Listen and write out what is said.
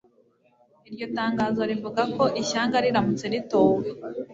iryo tangazo rivuga ko ishyaka riramutse ritowe